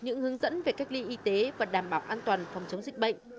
những hướng dẫn về cách ly y tế và đảm bảo an toàn phòng chống dịch bệnh